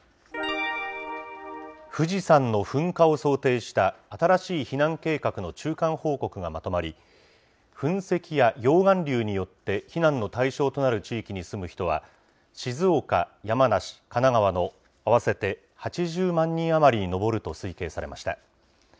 富士山の噴火を想定した新しい避難計画の中間報告がまとまり、噴石や溶岩流によって、避難の対象となる地域に住む人は、静岡、山梨、神奈川の合わせて８０万人余りに上ると推計されました。